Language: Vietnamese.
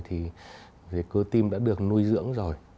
thì cơ tim đã được nuôi dưỡng rồi